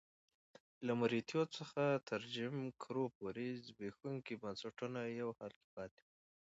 له مریتوب څخه تر جیم کرو پورې زبېښونکي بنسټونه په حال پاتې وو.